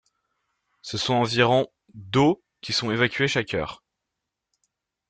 Ce sont environ d'eau qui sont évacués chaque heure.